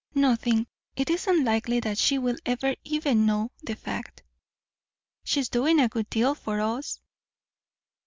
"Nothing. It isn't likely that she will ever even know the fact." "She's doing a good deal for us."